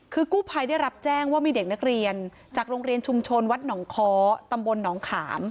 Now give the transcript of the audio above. คือกู้ภัยได้รับแจ้งว่ามีเด็กนักเรียนจากโรงเรียนชุมชนวัดหนองค้อตำบลหนองขาม